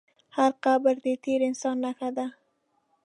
هر قبر د تېر انسان نښه ده.